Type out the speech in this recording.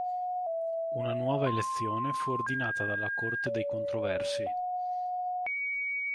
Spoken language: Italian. Una nuova elezione fu ordinata dalla Corte dei Controversi.